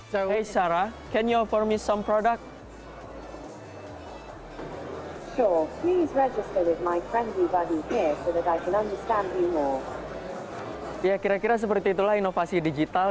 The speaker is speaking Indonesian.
hai sarah bisa kamu memberikan produk